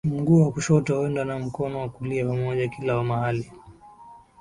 mguu wa kushoto huenda na mkono wa kulia pamoja kila mahali